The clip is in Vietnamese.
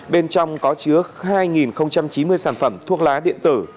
bên trong có chứa hai chín mươi sản phẩm thuốc lá điện tử